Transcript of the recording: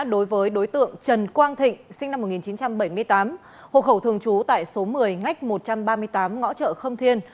đối với đối tượng trần quang thịnh sinh năm một nghìn chín trăm bảy mươi tám hộ khẩu thường trú tại số một mươi ngách một trăm ba mươi tám ngõ chợ khâm thiên